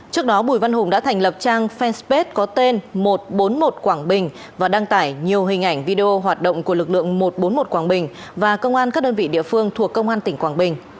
trước đó bùi văn hùng đã thành lập trang fanpage có tên một trăm bốn mươi một quảng bình và đăng tải nhiều hình ảnh video hoạt động của lực lượng một trăm bốn mươi một quảng bình và công an các đơn vị địa phương thuộc công an tỉnh quảng bình